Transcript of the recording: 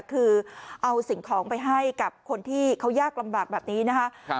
คือเอาสิ่งของไปให้กับคนที่เขายากลำบากแบบนี้นะคะ